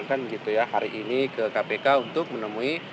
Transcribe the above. kan begitu ya hari ini ke kpk untuk menemui